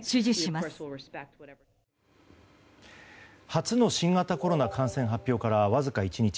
初の新型コロナ感染発表からわずか１日。